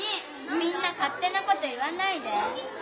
みんなかってなこと言わないで。